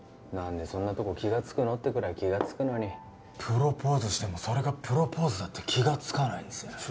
何でそんなとこ気がつくのってぐらい気がつくのにプロポーズしてもそれがプロポーズだって気がつかないんですよ